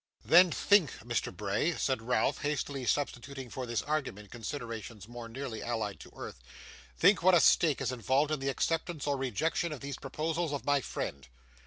'Then think, Mr. Bray,' said Ralph, hastily substituting for this argument considerations more nearly allied to earth, 'think what a stake is involved in the acceptance or rejection of these proposals of my friend.